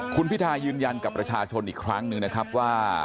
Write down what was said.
คุณพิทายืนยันกับประชาชนอีกครั้งหนึ่งนะครับว่า